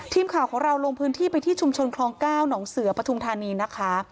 ทีมข่าวของเราลงพื้นที่ไปที่ชุมชนคลอง๙หนองเสือปฐุมธานีนะคะ